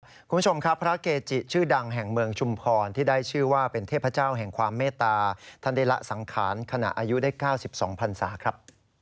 คุณผู้ชมครับพระเกจิชื่อดังแห่งเมืองชุมพรที่ได้ชื่อว่าเป็นเทพเจ้าแห่งความเมตตาท่านได้ละสังขารขณะอายุได้๙๒พันศาครับ